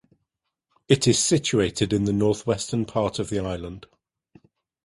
It is situated in the northwestern part of the island.